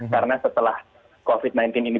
karena setelah covid sembilan belas ini